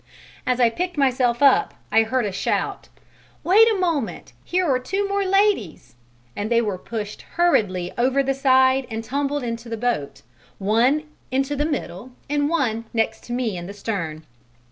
As I picked myself up, I heard a shout: "Wait a moment, here are two more ladies," and they were pushed hurriedly over the side and tumbled into the boat, one into the middle and one next to me in the stern.